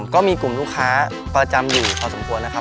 ก็มีกลุ่มลูกค้าประจำอยู่พอสมควรนะครับ